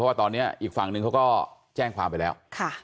ว่าตอนนี้อีกฝั่งนึงเขาก็แจ้งความไปแล้ว